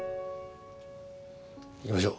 行きましょう。